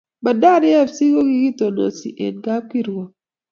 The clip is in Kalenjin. Bandari fc ko kikitonosi en kapkirwok